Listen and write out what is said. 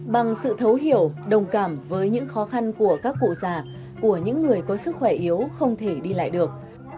bằng sự thấu hiểu đồng cảm với những khó khăn của các cụ già của những người có sức khỏe yếu không thể đi lại được